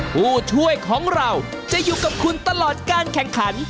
ผู้ช่วยของเราจะอยู่กับคุณตลอดการแข่งขัน